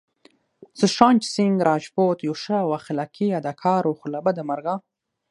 سوشانت سينګ راجپوت يو ښه او اخلاقي اداکار وو خو له بده مرغه